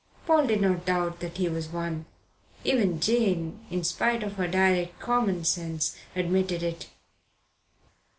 Paul did not doubt that he was one. Even Jane, in spite of her direct common sense, admitted it.